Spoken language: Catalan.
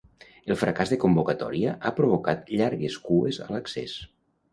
El fracàs de convocatòria ha provocat llargues cues a l'accés.